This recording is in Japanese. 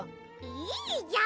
いいじゃん！